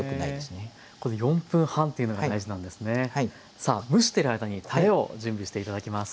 さあ蒸している間にたれを準備していただきます。